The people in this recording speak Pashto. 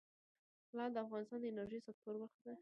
لعل د افغانستان د انرژۍ سکتور برخه ده.